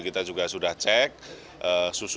kita juga sudah cek susu